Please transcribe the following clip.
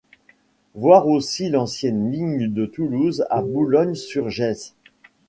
Voir aussi l'ancienne ligne de Toulouse à Boulogne-sur-Gesse.